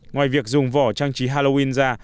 ngoài việc dùng vỏ trang trí halloween ra